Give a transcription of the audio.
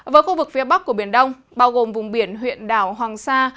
với khu vực phía bắc của biển đông bao gồm vùng biển huyện đảo hoàng sa